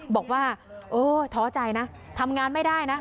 บอกว่าเออท้อใจนะทำงานไม่ได้นะ